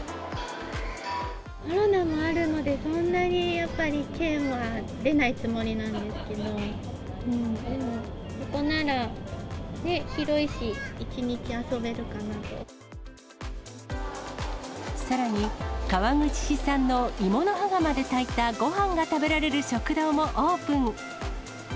コロナもあるので、そんなにやっぱり県は出ないつもりなんですけど、ここなら、さらに、川口市産の鋳物羽釜で炊いたごはんが食べられる食堂もオープン。